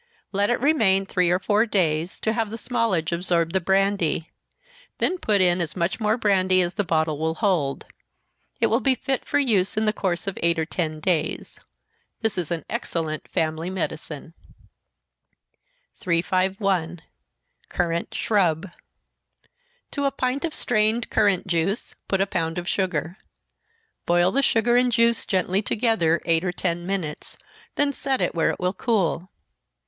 Let it remain three or four days, to have the smallage absorb the brandy then put in as much more brandy as the bottle will hold. It will be fit for use in the course of eight or ten days. This is an excellent family medicine. 351. Currant Shrub. To a pint of strained currant juice, put a pound of sugar. Boil the sugar and juice gently together, eight or ten minutes, then set it where it will cool.